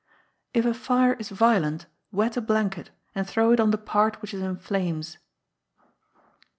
If a Fire is violent, wet a blanket, and throw it on the part which is in flames.